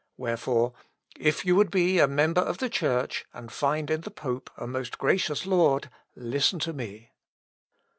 Wherefore, if you would be a member of the Church, and find in the pope a most gracious lord, listen to me."